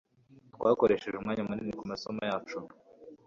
Twakoresheje umwanya munini kumasomo yacu.